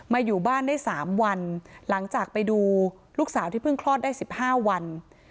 อยู่บ้านได้๓วันหลังจากไปดูลูกสาวที่เพิ่งคลอดได้๑๕วัน